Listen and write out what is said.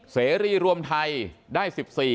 เสรีรวมไทยได้๑๔